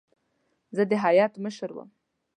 زه د هیات مشر وم.